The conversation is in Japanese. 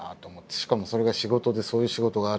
しかもそれが仕事でそういう仕事があるっていう。